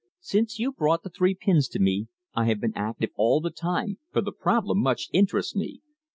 Since you brought the three pins to me I have been active all the time, for the problem much interests me.